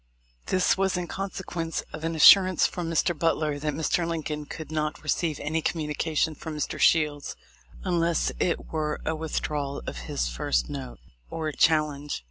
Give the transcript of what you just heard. This was in consequence of an assurance from Mr. Butler that Mr. Lincoln could not receive any communication from Mr. Shields, unless it were a withdrawal of his first note, or a challenge.